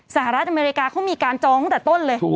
สหรัฐอเมริกาเขามีการจองตั้งแต่ต้นเลย